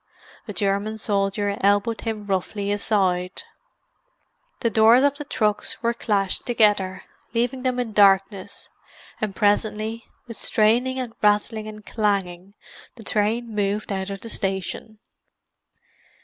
A German soldier elbowed him roughly aside. The doors of the trucks were clashed together, leaving them in darkness; and presently, with straining and rattling and clanging, the train moved out of the station.